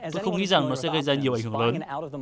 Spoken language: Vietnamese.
tôi không nghĩ rằng nó sẽ gây ra nhiều ảnh hưởng lớn